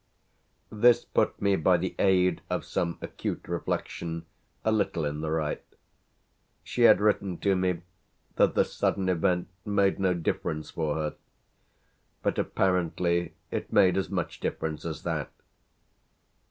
This put me by the aid of some acute reflection a little in the right. She had written to me that the sudden event made no difference for her, but apparently it made as much difference as that.